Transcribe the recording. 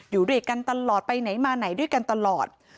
อยู่ด้วยกันตลอดไปไหนมาไหนด้วยกันตลอด